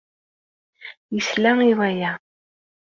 Yesla i waya.